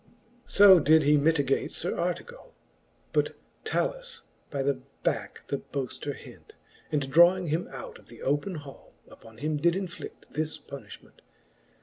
XXXVII. So did he mitigate Sir Artegall, But Talus by the backe the boafter hent, And drawing him out of the open hall, Upon him did infli<9: this punifliment.